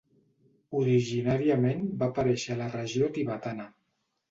Originàriament va aparèixer a la regió tibetana.